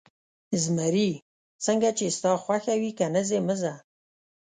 زمري: څنګه چې ستا خوښه وي، که نه ځې، مه ځه.